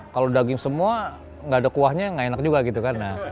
kalau daging semua nggak ada kuahnya nggak enak juga gitu kan